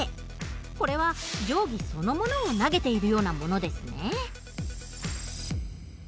これは定規そのものを投げているようなものですね。